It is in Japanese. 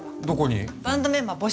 バンドメンバー募集してくる。